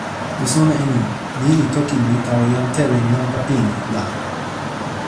mi sona e ni: ni li toki mi tawa jan Telen nanpa pini, la.